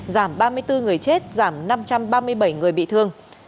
giảm ba mươi bốn người chết giảm năm trăm ba mươi bảy người bị thương